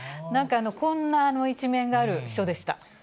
なんかこんな一面がある人でした。